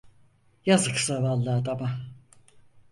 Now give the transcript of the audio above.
Yazık zavallı adama!